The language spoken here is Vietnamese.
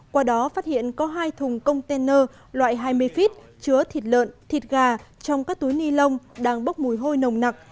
qua đó phát hiện có hai thùng container loại hai mươi feet chứa thịt lợn thịt gà trong các túi ni lông đang bốc mùi hôi nồng nặc